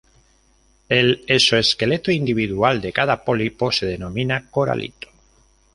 El exoesqueleto individual de cada pólipo se denomina coralito.